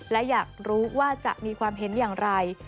และอยากรู้ว่าจะมีความเห็นอย่างไร